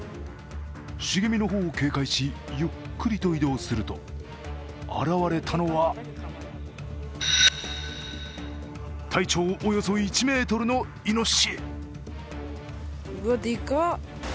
茂みの方を警戒し、ゆっくりと移動すると、現れたのは体長およそ１ｍのイノシシ。